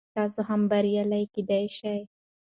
تاسو هم بریالی کیدلی شئ.